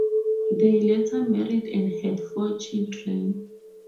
They later married and had four children.